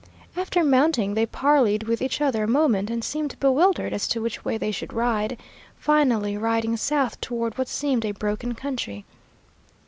"After mounting they parleyed with each other a moment and seemed bewildered as to which way they should ride, finally riding south toward what seemed a broken country.